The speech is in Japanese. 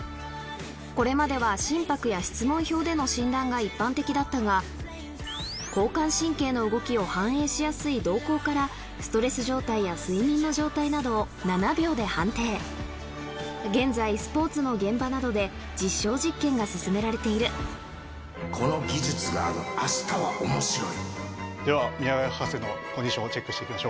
これまでは心拍や質問票での診断が一般的だったが交感神経の動きを反映しやすい瞳孔から現在スポーツの現場などで実証実験が進められているこの技術があるあしたは面白いでは宮川博士のコンディションをチェックしていきましょう。